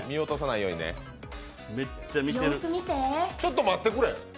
ちょっと待ってくれ。